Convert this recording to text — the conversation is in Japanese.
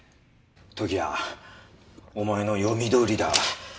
時矢お前の読みどおりだ。